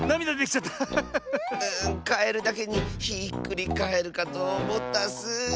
ううカエルだけにひっくりかえるかとおもったッス。